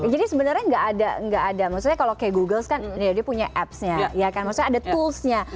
jadi sebenarnya enggak ada enggak ada maksudnya kalau kayak google kan dia punya appsnya ya kan maksudnya ada toolsnya